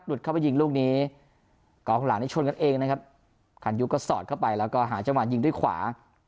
เข้าไปยิงลูกนี้กองข้างหลังนี้ชนกันเองนะครับคันยุก็สอดเข้าไปแล้วก็หาจังหวะยิงด้วยขวา